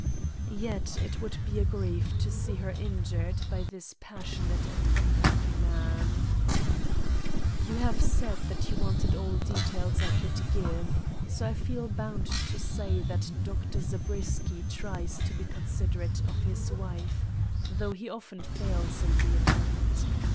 "Yet it would be a grief to see her injured by this passionate and unhappy man. "You have said that you wanted all details I could give; so I feel bound to say, that Dr. Zabriskie tries to be considerate of his wife, though he often fails in the attempt.